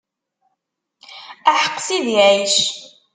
Aḥeq Sidi Ɛic.